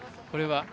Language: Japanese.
これは。